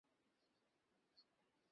মাকে তুমি এখন থেকে সাবধান করে রেখে দিয়ো।